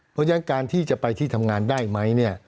เพราะฉะนั้นการที่จะไปที่ทำงานได้ไหม